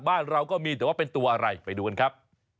บ้านเราก็มีแต่ว่าเป็นตัวอะไรไปดูกันครับ